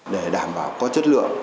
để đảm bảo có chất lượng